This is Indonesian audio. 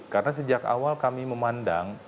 karena sejak awal kami memandang